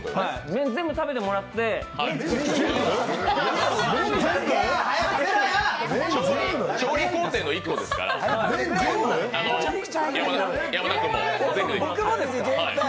麺を全部食べてもらって調理工程の１個ですから、僕もですか！？